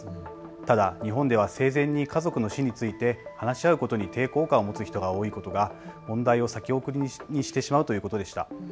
ただ日本では生前に家族の死について話し合うことに抵抗感を持つ人が多いことが問題を先送りにしてしまうということでした。